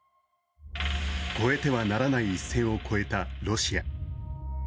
越えてはならない一線を越えたロシア。